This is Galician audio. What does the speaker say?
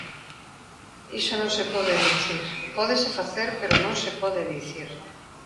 Iso non se pode dicir, pódese facer pero non se pode dicir.